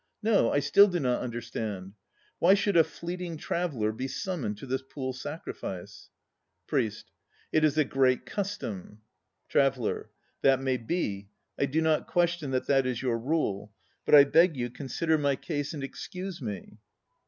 ... No, I still do not under stand. Why should a fleeting traveller be summoned to this Pool Sacrifice? PRIEST. It is a Great Custom. TRAVELLER. That may be. I do not question that that is your rule. But I beg you, consider my case and excuse me.